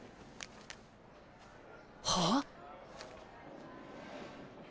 はあ？